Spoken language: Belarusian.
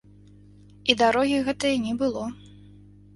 І дарогі гэтае не было.